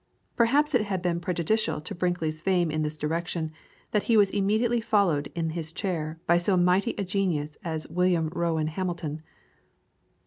Perhaps it has been prejudicial to Brinkley's fame in this direction, that he was immediately followed in his chair by so mighty a genius as William Rowan Hamilton.